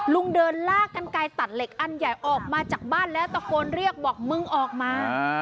ลุงเดินลากกันไกลตัดเหล็กอันใหญ่ออกมาจากบ้านแล้วตะโกนเรียกบอกมึงออกมา